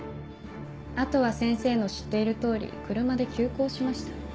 あとは先生の知っている通り車で急行しました。